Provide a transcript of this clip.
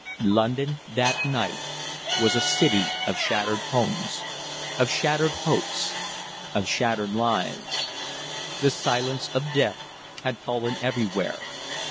London that night was a city of shattered homes, of shattered hopes, of shattered lives. The silence of death had fallen everywhere.